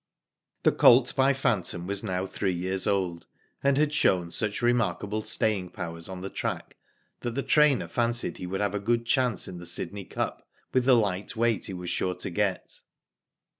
The colt by Phantom was now three years old, and had shown such remarkable staying powers on the track that the trainer fancied he would have a good chance in the Sydney Cup with the light weight he was sure to get.